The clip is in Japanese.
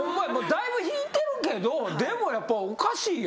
だいぶ引いてるけどでもやっぱおかしいやん。